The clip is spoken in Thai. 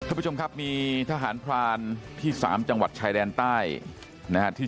ท่านผู้ชมครับมีทหารพรานที่๓จังหวัดชายแดนใต้นะฮะที่